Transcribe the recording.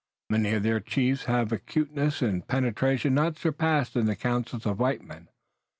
Many of their chiefs have an acuteness and penetration not surpassed in the councils of white men.